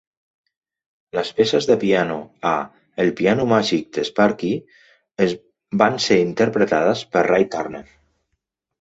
Les peces de piano a "El Piano Màgic d'Sparky" van ser interpretades per Ray Turner.